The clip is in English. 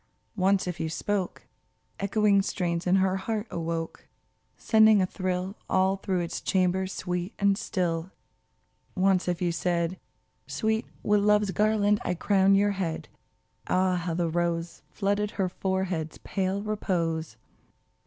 Once if you spoke, Echoing strains in her heart awoke, Sending a thrill All through its chambers sweet and still. Once if you said, Sweet, with Love's garland I crown your head," Ah ! how the rose Flooded her forehead's pale repose